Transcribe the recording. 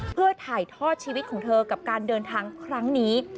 เพื่อถ่ายทอดชีวิตของเธอกับการเดินทางครั้งนี้